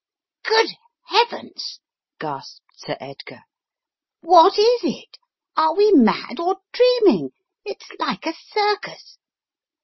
"Good Heavens," gasped Sir Edgar, "what is it? Are we mad or dreaming? It's like a circus."